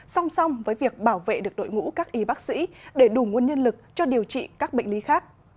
song song với việc bảo vệ được đội ngũ các y bác sĩ để đủ nguồn nhân lực cho điều trị các bệnh lý khác